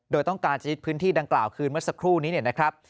โดยต้องการจะยึดพื้นที่ดังกล่าวคืนเมื่อสักครู่นี้เนี่ยนะครับ